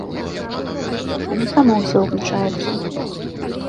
Яно само ўсё ўключаецца.